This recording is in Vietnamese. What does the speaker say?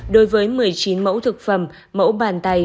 đối với một mươi chín mẫu thực phẩm mẫu bàn tay